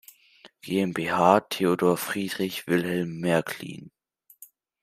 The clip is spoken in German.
GmbH, Theodor Friedrich Wilhelm Märklin.